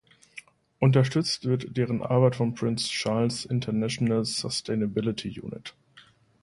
Unterstützt wird deren Arbeit von Prinz Charles' "International Sustainability Unit".